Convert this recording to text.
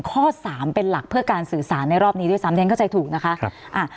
ข้อสามเป็นหลักเพื่อการสื่อสารในรอบนี้ด้วยซ้ำเรียนเข้าใจถูกนะคะ